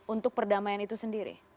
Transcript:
untuk perdamaian itu sendiri